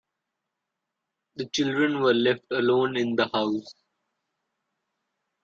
The children were left alone in the house.